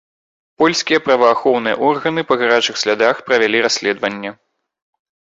Польскія праваахоўныя органы па гарачых слядах правялі расследаванне.